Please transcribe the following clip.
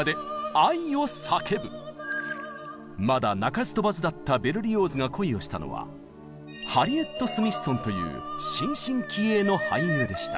まだ鳴かず飛ばずだったベルリオーズが恋をしたのはハリエット・スミッソンという新進気鋭の俳優でした。